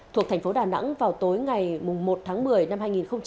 thuộc thành phố đà nẵng vào tối ngày một tháng một mươi năm hai nghìn hai mươi ba